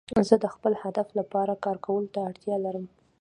زه د خپل هدف لپاره کار کولو ته اړتیا لرم.